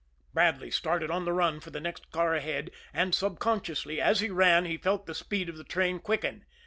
Bradley started on the run for the next car ahead; and, subconsciously, as he ran, he felt the speed of the train quicken.